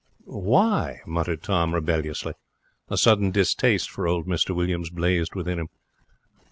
'Why?' muttered Tom, rebelliously. A sudden distaste for old Mr Williams blazed within him.